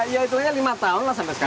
ya itu hanya lima tahun lah sampai sekarang